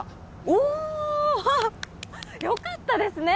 おおよかったですね